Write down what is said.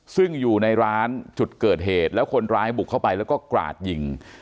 ซึ่งอยู่ในร้านจุดเกิดเหตุแล้วคนร้ายบุกเข้าไปแล้วก็กราดยิง